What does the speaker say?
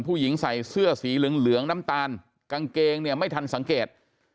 ผู้หญิงใส่เสื้อสีเหลืองน้ำตาลกางเกงเนี่ยไม่ทันสังเกต